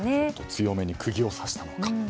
強めに釘を刺したのか。